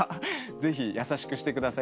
是非優しくしてください。